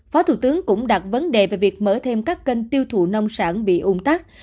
phó thủ tướng cũng đặt vấn đề về việc mở thêm các kênh tiêu thụ nông sản bị ung tắc